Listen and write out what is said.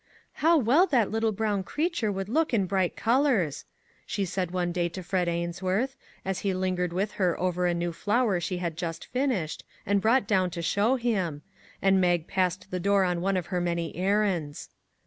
" How well that little brown creature would look in bright colors," she said one day to Fred Ainsworth, as he lingered with her over a new flower she had just finished, and brought down to sliow him, and Mag passed the door on one of her many errands.